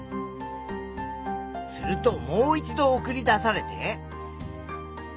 するともう一度送り出されて。